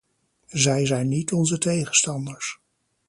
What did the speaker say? Zij zijn niet onze tegenstanders.